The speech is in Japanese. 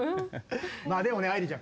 でもね愛理ちゃん